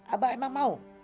abah emang mau